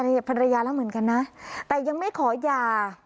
กับภรรยาแล้วเหมือนกันนะแต่ยังไม่ขอหย่า